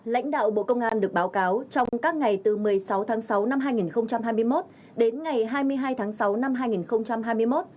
lãnh đạo bộ công an được báo cáo trong các ngày từ một mươi sáu tháng sáu năm hai nghìn hai mươi một đến ngày hai mươi hai tháng sáu năm hai nghìn hai mươi một